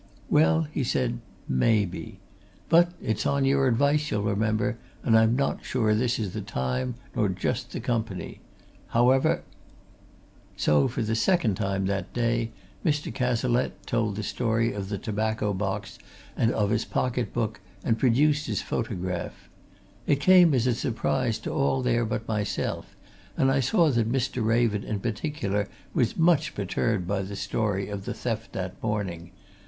"Well," he said. "Maybe. But it's on your advice, you'll remember, and I'm not sure this is the time, nor just the company. However " So, for the second time that day, Mr. Cazalette told the story of the tobacco box and of his pocket book, and produced his photograph. It came as a surprise to all there but myself, and I saw that Mr. Raven in particular was much perturbed by the story of the theft that morning.